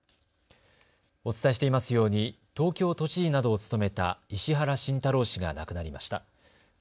お伝えしていますように東京都知事などを務めた石原慎太郎氏が亡くなりました。